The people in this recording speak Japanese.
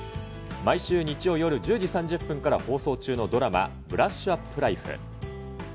毎週日曜夜１０時３０分から放送中のドラマ、ブラッシュアップライフ。